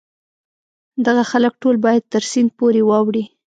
دغه خلک ټول باید تر سیند پورې واوړي.